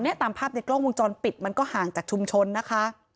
ตามภาพในกล้องวงจรปิดมันก็ห่างจากชุมชนนะคะ